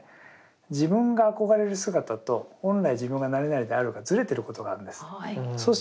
自分が憧れる姿と本来自分が何々であるがずれてることがあるんですね。